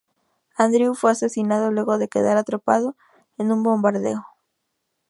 Andrew fue asesinado luego de quedar atrapado en un bombardeo.